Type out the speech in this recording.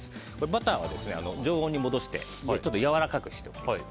バターを常温に戻してやわらかくしておきます。